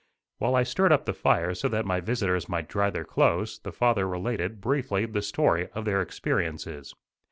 While I stirred up the fire so that my visitors might dry their clothes, the father related, briefly, the story of their experiences.